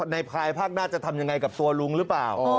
ภายภาคหน้าจะทำยังไงกับตัวลุงหรือเปล่า